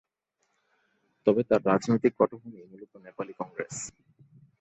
তবে তার রাজনৈতিক পটভূমি মূলত নেপালি কংগ্রেস।